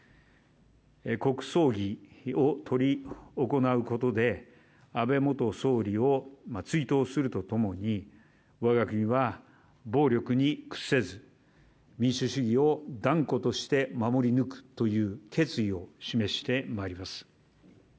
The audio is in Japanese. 国葬儀を執り行うことで安倍元総理を追悼すると共に我が国は暴力に屈せず民主主義を断固として守り抜くという決意を示してまいります。